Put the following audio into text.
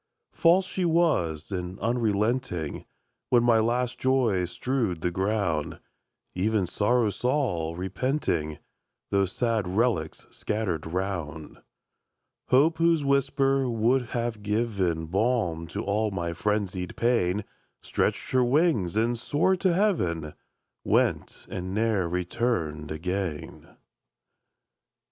False she was, and unrelenting; When my last joys strewed the ground, Even Sorrow saw, repenting, Those sad relics scattered round; Hope, whose whisper would have given Balm to all my frenzied pain, Stretched her wings, and soared to heaven, Went, and ne'er returned again!